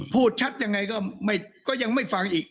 พูดชัดยังไงก็ยังไม่ฟังอีก